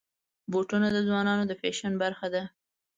بوټونه د ځوانانو د فیشن برخه ده.